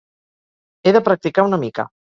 He de practicar una mica.